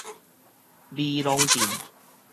美濃鎮